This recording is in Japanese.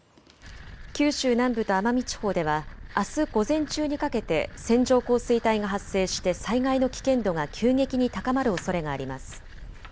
九州南部と奄美地方ではあす午前中にかけて線状降水帯が発生して災害の危険度が急激に高まるおそれがあります。